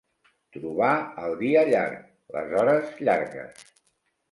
Trobar el dia llarg, les hores llargues.